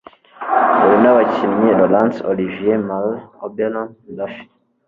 dore nabakinnyiLaurence Olivier, Merle Oberon, Raph